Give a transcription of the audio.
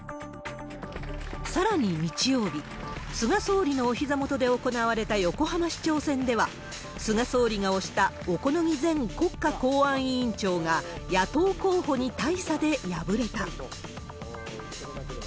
さらに日曜日、菅総理のおひざ元で行われた横浜市長選では、菅総理が推した小此木前国家公安委員長が、野党候補に大差で敗れた。